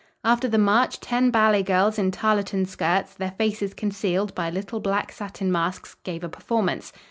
After the march, ten ballet girls in tarlatan skirts, their faces concealed by little black satin masks, gave a performance.